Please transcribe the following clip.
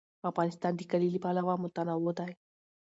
افغانستان د کلي له پلوه متنوع دی.